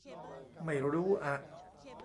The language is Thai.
ไม่รู้อะ